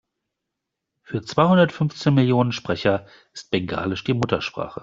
Für zweihundertfünfzehn Millionen Sprecher ist Bengalisch die Muttersprache.